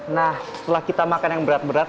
nah setelah kita makan yang berat berat